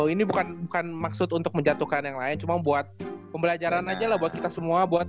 ini bukan maksud untuk menjatuhkan yang lain cuma buat pembelajaran aja lah buat kita semua